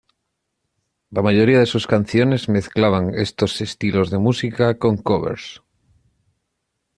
La mayoría de sus canciones mezclaban estos estilos de música con covers.